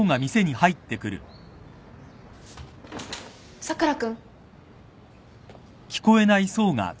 佐倉君。